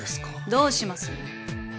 どうします？